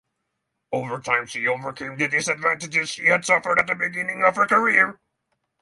Over time she overcame the disadvantage she suffered at the beginning of her career.